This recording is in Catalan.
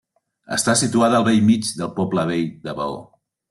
Està situada al bell mig del poble vell de Baó.